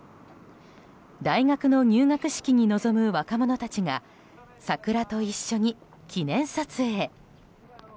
大学の入学式に臨む若者たちが桜と一緒に記念撮影。